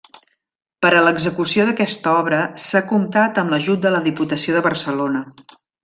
Per a l'execució d'aquesta obra s'ha comptat amb l'ajut de la Diputació de Barcelona.